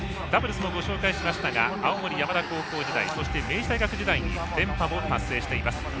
ダブルスもご紹介しましたが青森山田高校時代そして、明治大学時代に連覇も達成しています。